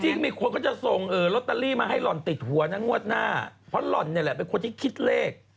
มีคนก็จะส่งลอตเตอรี่มาให้หล่อนติดหัวนะงวดหน้าเพราะหล่อนเนี่ยแหละเป็นคนที่คิดเลข